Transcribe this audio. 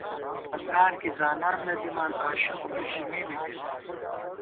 ہنگارکی زانان نہ دِمان آشوخ لُشی می مِمېت